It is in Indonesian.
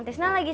tidak ada motor